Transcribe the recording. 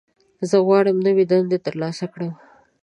زه غواړم نوې دنده ترلاسه کړم.